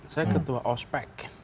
saya ketua ospec